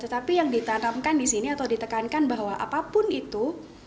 tetapi yang ditanamkan di sini atau ditekankan bahwa apapun itu